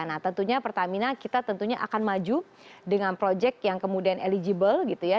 nah tentunya pertamina kita tentunya akan maju dengan proyek yang kemudian eligible gitu ya